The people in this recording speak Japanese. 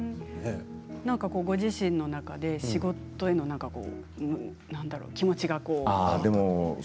ご自身の中で仕事への気持ちが。